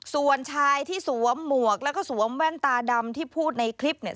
ส่วนชายที่สวมหมวกแล้วก็สวมแว่นตาดำที่พูดในคลิปเนี่ย